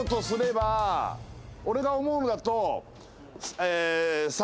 俺が思うのだと。